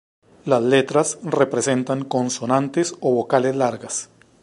Las letras representan consonantes o vocales largas.